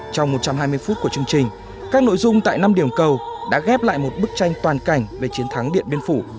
trong một trăm hai mươi phút của chương trình các nội dung tại năm điểm cầu đã ghép lại một bức tranh toàn cảnh về chiến thắng điện biên phủ